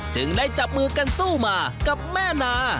จึงได้จับมือกันสู้มากับแม่นา